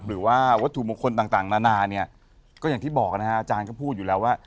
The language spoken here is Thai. หรือว่าวัตถุมงคลต่างนานาเนี่ยก็อย่างที่บอกนะฮะอาจารย์ก็พูดอยู่แล้วว่า